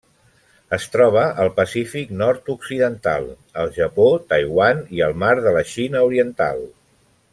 Es troba al Pacífic nord-occidental: el Japó, Taiwan i el mar de la Xina Oriental.